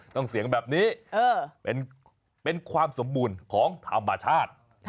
เสียงแบบนี้เป็นความสมบูรณ์ของธรรมชาติ